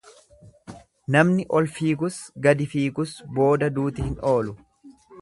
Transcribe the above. Namni ol fiigus gadi fiigus, booda duuti hin oolu.